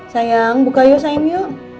sayang buka yuk sayang yuk